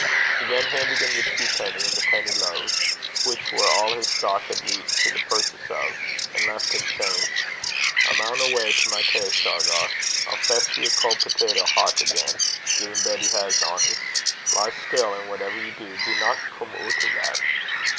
He then handed him the twopenny and the penny loaves, which were all his stock had reached to the purchase of, and left him, saying, 'I maun awa' to my tay, Shargar. I'll fess ye a cauld tawtie het again, gin Betty has ony. Lie still, and whatever ye do, dinna come oot o' that.'